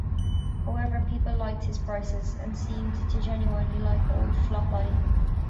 However, people liked his prices, and seemed to genuinely like old 'Flopeye.